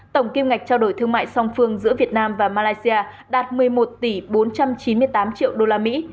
tổng kim ngạch trao đổi thương mại song phương giữa việt nam và malaysia đạt một mươi một tỷ bốn trăm chín mươi tám triệu đô la mỹ